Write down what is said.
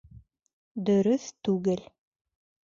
Дөрөҫ түгел